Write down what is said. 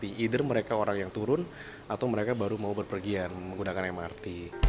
di either mereka orang yang turun atau mereka baru mau berpergian menggunakan mrt